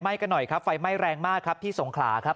กันหน่อยครับไฟไหม้แรงมากครับที่สงขลาครับ